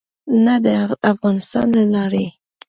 نه د افغانستان له لارې.